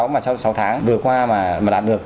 mà trong sáu tháng vừa qua mà đạt được